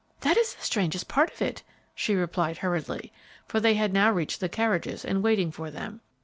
"That is the strangest part of it," she replied, hurriedly, for they had now reached the carriages in waiting for them.